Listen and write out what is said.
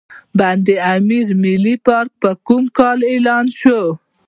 د بند امیر ملي پارک په کوم کال اعلان شو؟